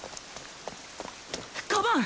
カバン！